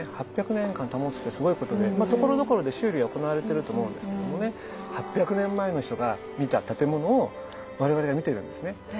８００年間保つってすごいことでところどころで修理は行われてると思うんですけどもね８００年前の人が見た建物を我々は見てるんですね。